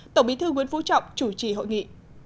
tổng bí thư nguyễn phú trọng chủ trì hội nghị